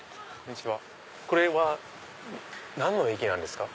これは何の駅なんですか？